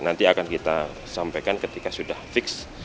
nanti akan kita sampaikan ketika sudah fix